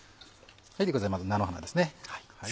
具材まず菜の花ですね。